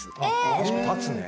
正しく立つね